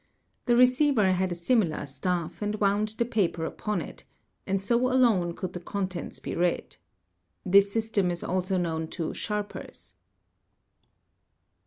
The receiver had a similar taff, and wound the paper upon it, and so alone could the contents be ad. This system is also known to sharpers.